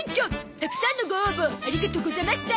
たくさんのご応募ありがとござました！